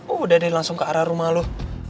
udah deh langsung ke arah rumah lo